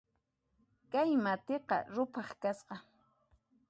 Kay matiqa ruphan kasqa